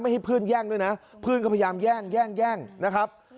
ไม่ให้เพื่อนแย่งด้วยนะเพื่อนก็พยายามแย่งนะครับ